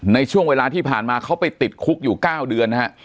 ในช่วงเวลาที่ผ่านมาเขาไปติดคุกอยู่๙เดือนนะฮะ